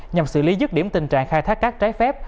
nhằm xử lý dứt điểm tình trạng khai thác cát trái phép